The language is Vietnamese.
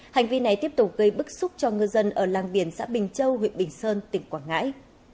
hành vi này tiếp tục gây bức xúc cho ngư dân ở làng biển xã bình châu huyện bình sơn tỉnh quảng ngãi